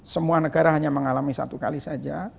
semua negara hanya mengalami satu kali saja